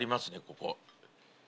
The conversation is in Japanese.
ここ。